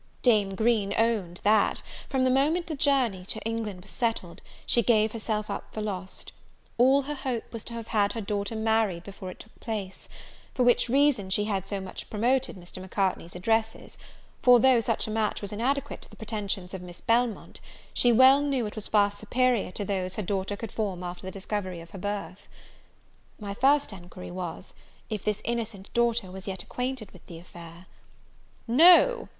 Dame Green owned, that, from the moment the journey to England was settled, she gave herself up for lost. All her hope was to have had her daughter married before it took place; for which reason she had so much promoted Mr. Macartney's addresses; for though such a match was inadequate to the pretensions of Miss Belmont, she well knew it was far superior to those her daughter could form after the discovery of her birth. My first enquiry was, if this innocent daughter was yet acquainted with the affair?